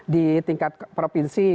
di tingkat provinsi